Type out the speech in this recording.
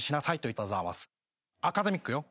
アカデミックよ。